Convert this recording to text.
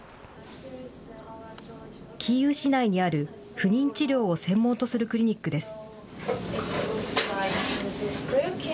キーウ市内にある不妊治療を専門とするクリニックです。